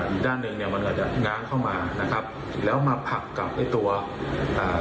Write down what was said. อีกด้านหนึ่งเนี้ยมันอาจจะง้างเข้ามานะครับแล้วมาผลักกับไอ้ตัวอ่า